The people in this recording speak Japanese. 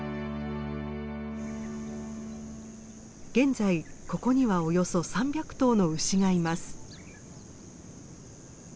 現在ここにはおよそ３００頭の牛がいます。